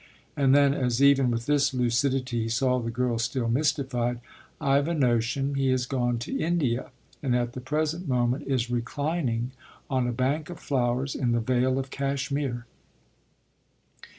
And then as even with this lucidity he saw the girl still mystified: "I've a notion he has gone to India and at the present moment is reclining on a bank of flowers in the vale of Cashmere."